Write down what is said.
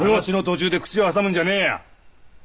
話の途中で口を挟むんじゃねえや。